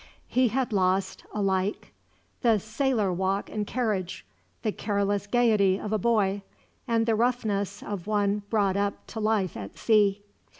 He had lost, alike, the sailor walk and carriage, the careless gaiety of a boy, and the roughness of one brought up to life at sea.